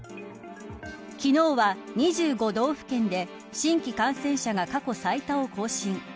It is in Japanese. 昨日は、２５道府県で新規感染者が過去最多を更新。